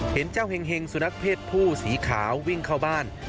เห็นเจ้าเห็งสุนัขเพศผู้สีขาววิ่งเข้าบ้าน